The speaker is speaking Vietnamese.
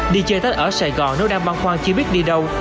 đi chơi tết ở sài gòn nếu đang băng khoan chỉ biết đi đâu